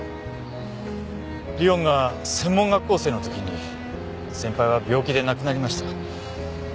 莉音が専門学校生の時に先輩は病気で亡くなりました。